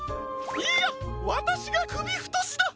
いいやわたしがくびふとしだ！